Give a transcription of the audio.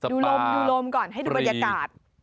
ดูลมดูลมก่อนให้ดูบรรยากาศ